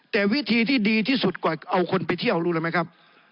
แต่วิธีที่ดีที่สุดกว่าเอาคนไปเที่ยวรู้แล้วไหมครับ